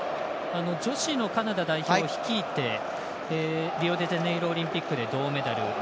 女子のカナダ代表を率いてリオデジャネイロオリンピックで銅メダル。